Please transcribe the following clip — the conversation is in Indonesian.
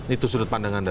itu sudut pandangan anda